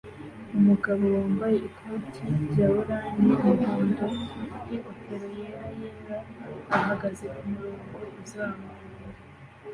Umugabo wambaye ikoti rya orange n'umuhondo n'ingofero yera yera ahagaze kumurongo uzamuye